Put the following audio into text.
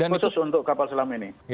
khusus untuk kapal selam ini